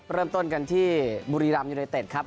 เริ่มต้นกันที่บุรีรำยูไนเต็ดครับ